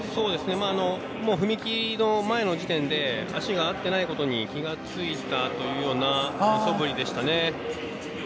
踏み切りの前の時点で足が合っていないことに気がついたというようなそぶりでしたね。